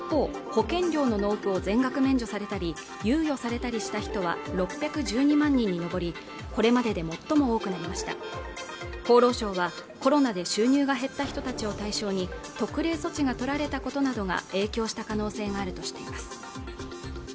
保険料の納付を全額免除されたり猶予されたりした人は６１２万人に上りこれまでで最も多くなりました厚労省はコロナで収入が減った人たちを対象に特例措置がとられたことなどが影響した可能性があるとしています